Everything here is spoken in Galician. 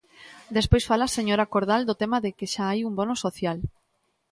Despois fala a señora Cordal do tema de que xa hai un bono social.